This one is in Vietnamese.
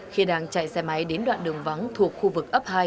khi đang chạy xe máy đến đoạn đường vắng thuộc khu vực ấp hai